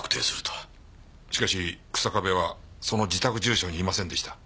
しかし日下部はその自宅住所にいませんでした。